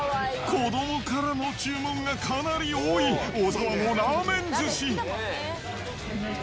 子どもからの注文がかなり多い、小澤のラーメン寿司。